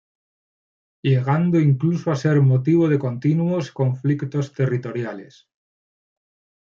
Llegando incluso a ser motivo de continuos conflictos territoriales.